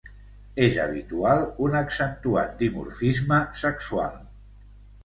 És habitual un accentuat dimorfisme sexual.